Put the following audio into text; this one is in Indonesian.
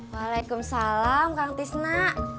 waalaikumsalam kang tisna